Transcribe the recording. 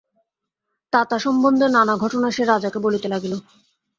তাতা সম্বন্ধে নানা ঘটনা সে রাজাকে বলিতে লাগিল।